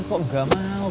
kok nggak mau